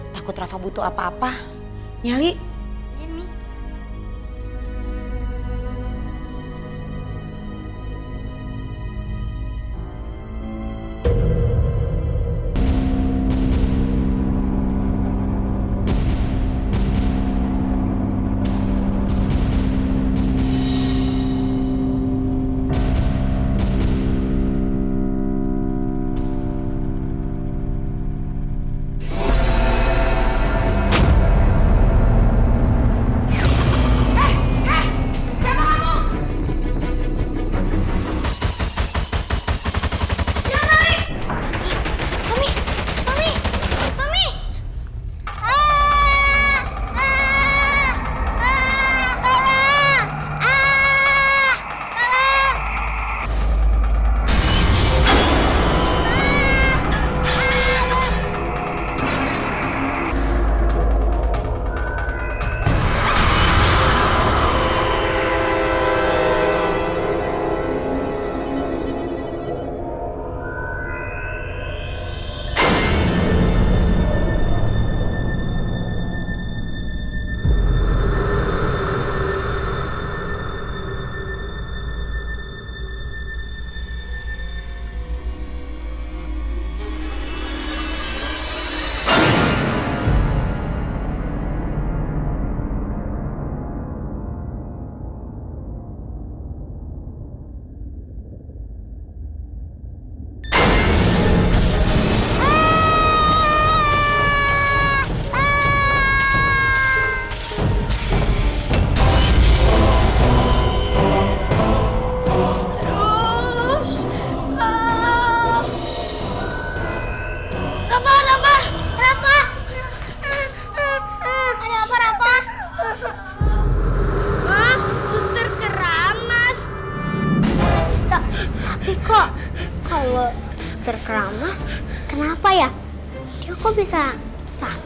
takut rafa butuh apa apa